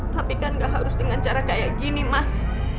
tapi kan tidak harus dengan cara seperti ini mas